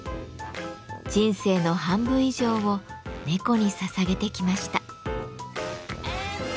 人生の半分以上を猫にささげてきました。